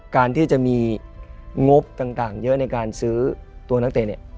การที่จะมีงบต่างเยอะในการซื้อตัวนักเตะเนี่ย